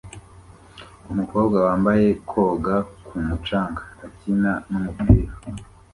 Umukobwa wambaye koga ku mucanga akina numupira